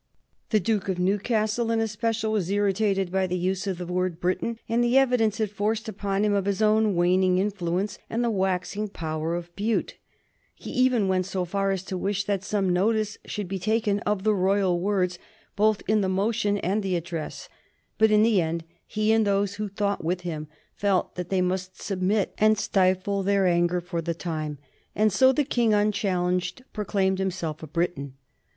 The Duke of Newcastle in especial was irritated by the use of the word "Briton," and the evidence it forced upon him of his own waning influence and the waxing power of Bute. He even went so far as to wish that some notice should be taken of the "royal words" both in the motion and the address; but in the end he and those who thought with him felt that they must submit and stifle their anger for the time, and so the King, unchallenged, proclaimed himself a Briton.